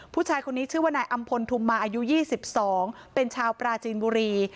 ผู้ชายคนนี้ชื่อว่านายอำพลทุมมาอายุ๒๒เป็นชาวปราจีนบุรี